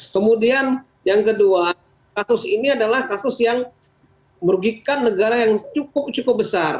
kemudian yang kedua kasus ini adalah kasus yang merugikan negara yang cukup cukup besar